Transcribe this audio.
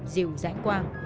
dìu giãn quang